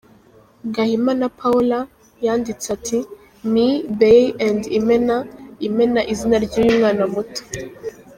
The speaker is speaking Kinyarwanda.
Gahima na Paola, yanditse ati "Me, Bae & Imena" Imena izina ry’uyu mwana muto.